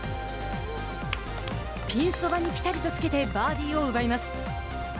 ピンそばにぴたりとつけてバーディーを奪います。